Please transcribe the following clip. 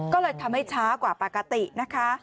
ก็เลยทำให้ช้ากว่าปกตินะคะ